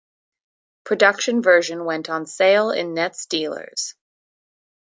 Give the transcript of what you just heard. Production version went on sale in Netz dealers.